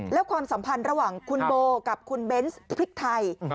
แล้วความสัมพันธ์ระหว่างคุณโบกับคุณเบนส์พริกไทย